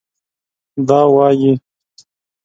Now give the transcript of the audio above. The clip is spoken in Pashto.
دا وايي